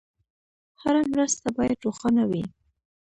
هره مرسته باید روښانه وي.